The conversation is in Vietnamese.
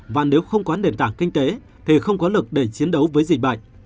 và nếu không có nền tảng kinh tế thì không có lực để chiến đấu với dịch bệnh